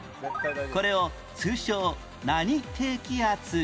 これを通称何低気圧という？